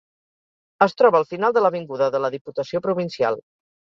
Es troba al final de l'avinguda de la Diputació Provincial.